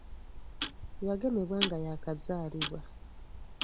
Yagemebwa nga yaakazaalibwa.